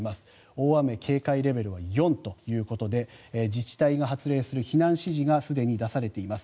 大雨警戒レベルは４ということで自治体が発令する避難指示がすでに出されています。